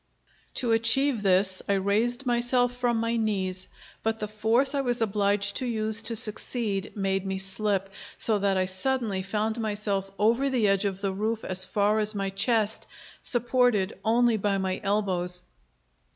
To achieve this I raised myself from my knees; but the force I was obliged to use to succeed made me slip, so that I suddenly found myself over the edge of the roof as far as my chest, supported only by my elbows.